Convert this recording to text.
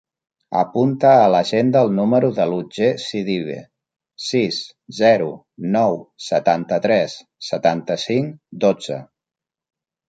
Apunta a l'agenda el número de l'Otger Sidibe: sis, zero, nou, setanta-tres, setanta-cinc, dotze.